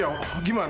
ya allah gimana ini